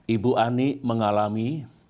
ibu ani mengalami